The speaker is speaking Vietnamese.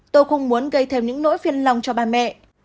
tôi không muốn gây thêm những nỗi phiền lòng cho ba mẹ